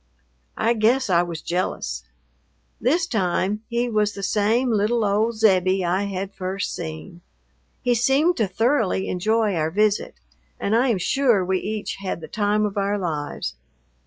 I guess I was jealous. This time he was the same little old Zebbie I had first seen. He seemed to thoroughly enjoy our visit, and I am sure we each had the time of our lives.